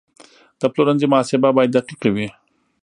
د پلورنځي محاسبه باید دقیقه وي.